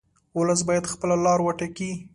ولس باید خپله لار وټاکي.